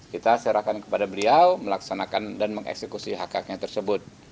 kita serahkan kepada beliau melaksanakan dan mengeksekusi hak haknya tersebut